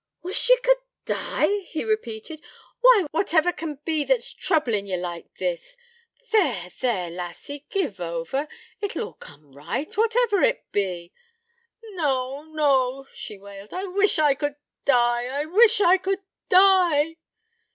'Wish ye could die?' he repeated. 'Why, whatever can't be that's troublin' ye like this? There, there, lassie, give ower: it 'ull all coom right, whatever it be ' 'No, no,' she wailed. 'I wish I could die!... I wish I could die!'